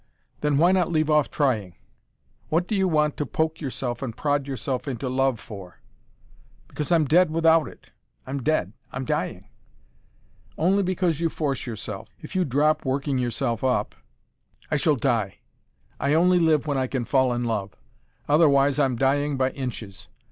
"Then why not leave off trying! What do you want to poke yourself and prod yourself into love, for?" "Because I'm DEAD without it. I'm dead. I'm dying." "Only because you force yourself. If you drop working yourself up " "I shall die. I only live when I can fall in love. Otherwise I'm dying by inches.